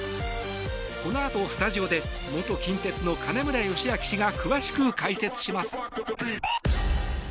このあとスタジオで元近鉄の金村義明氏が詳しく解説します。